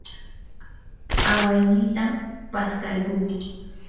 awaynitam paskarquu.